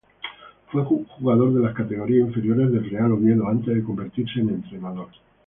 Fue jugador de las categorías inferiores del Real Oviedo antes de convertirse en entrenador.